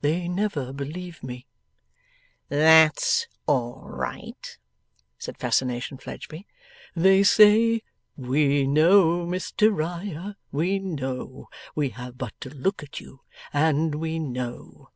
They never believe me.' 'THAT'S all right,' said Fascination Fledgeby. 'They say, "We know, Mr Riah, we know. We have but to look at you, and we know."